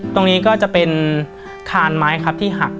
ตรงนี้ก็จะเป็นคานไม้ครับที่หัก